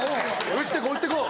打ってこう打ってこう。